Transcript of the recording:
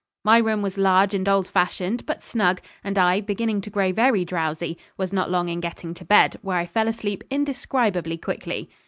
My room was large and old fashioned, but snug; and I, beginning to grow very drowsy, was not long in getting to bed, where I fell asleep indescribably quickly.